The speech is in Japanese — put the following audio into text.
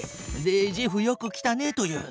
で「ジェフよく来たね」と言う。